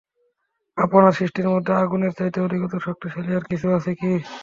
আপনার সৃষ্টির মধ্যে আগুনের চাইতে অধিকতর শক্তিশালী আর কিছু আছে কি?